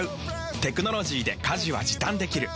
テクノロジーで家事は時短できる。